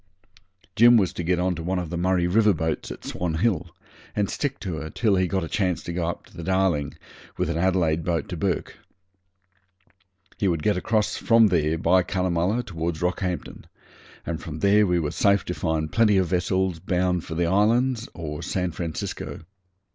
Jim was to get on to one of the Murray River boats at Swan Hill, and stick to her till he got a chance to go up the Darling with an Adelaide boat to Bourke. He could get across from there by Cunnamulla towards Rockhampton, and from there we were safe to find plenty of vessels bound for the islands or San Francisco.